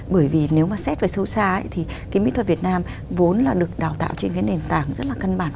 bởi vì nếu mà xét về sâu xa thì cái mỹ thuật việt nam vốn là được đào tạo trên cái nền tảng rất là căn bản